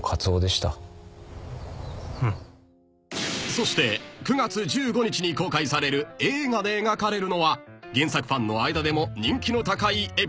［そして９月１５日に公開される映画で描かれるのは原作ファンの間でも人気の高いエピソード